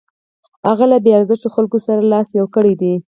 هغه له بې ارزښتو خلکو سره لاس یو کړی دی.